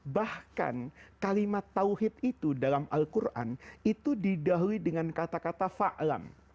bahkan kalimat tawhid itu dalam al quran itu didahui dengan kata kata fa'lam